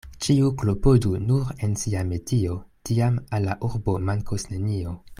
Ĉiu klopodu nur en sia metio, tiam al la urbo mankos nenio.